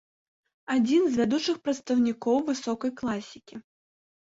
Адзін з вядучых прадстаўнікоў высокай класікі.